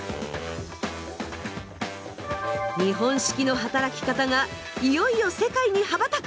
日本式の働き方がいよいよ世界に羽ばたく！